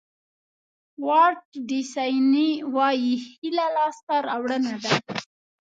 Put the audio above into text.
والټ ډیسني وایي هیله لاسته راوړنه ده.